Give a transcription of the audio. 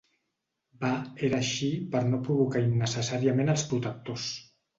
Va era així per no provocar innecessàriament els protectors.